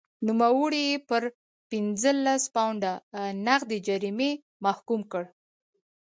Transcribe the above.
نوموړی یې پر پنځلس پونډه نغدي جریمې محکوم کړ.